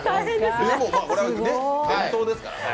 これは伝統ですからね。